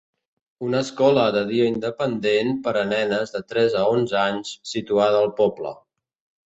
Una escola de dia independent per a nenes de tres a onze anys situada al poble.